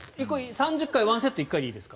３０回１セット１回でいいですか？